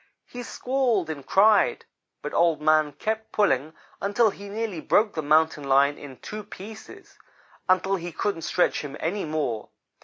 He squalled and cried, but Old man kept pulling until he nearly broke the Mountain lion in two pieces until he couldn't stretch him any more.